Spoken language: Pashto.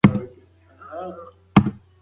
هغه ښځې چې سهارنۍ یې خوړله، لږ وزن یې کم شو.